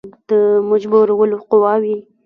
د مجبورولو قواوي.